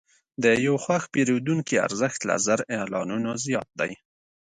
د یو خوښ پیرودونکي ارزښت له زر اعلانونو زیات دی.